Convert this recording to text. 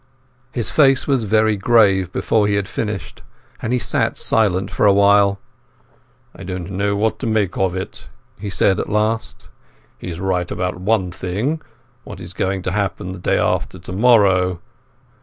His face was very grave before he had finished, and he sat silent for a while. "I don't know what to make of it," he said at last. "He is right about one thing—what is going to happen the day after tomorrow.